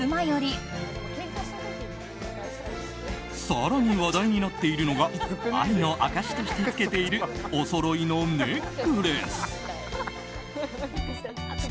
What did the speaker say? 更に、話題になっているのが愛の証しとして着けているおそろいのネックレス。